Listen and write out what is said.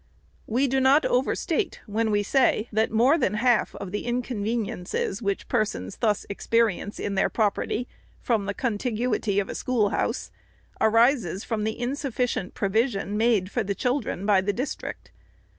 We do not overstate, when we say, that more than half the inconveniences which persons thus experience in their property from the contiguity of a schoolhouse, arises from the insufficient provision made for the children by the district.